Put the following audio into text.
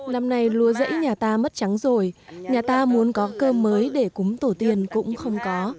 năm nay lúa rẫy nhà ta mất trắng rồi nhà ta muốn có cơm mới để cúng tổ tiên cũng không có